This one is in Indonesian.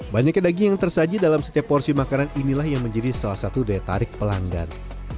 banyaknya daging yang tersaji dalam setiap porsi makanan inilah yang menjadi salah satu daya tarik pelanggan